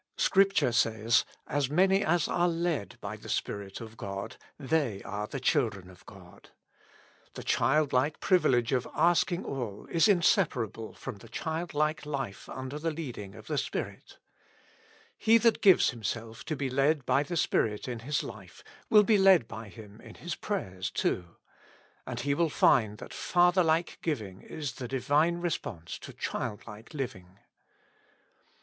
Scripture says : "As many as are led by the Spirit of God, they are the children of God:" the childlike privilege of 48 With Christ in the School of Prayer. asking all is inseparable from the child like life under the leading of the Spirit. He that gives him self to be led by the Spirit in his life, will be led by Him in his prayers, too. And he will find that Fatherlike giving is the Divine response to childlike living.